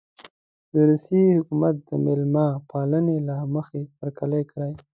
د روسیې حکومت د مېلمه پالنې له مخې هرکلی کړی.